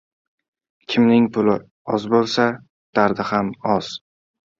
• Kimning puli oz bo‘lsa, dardi ham oz.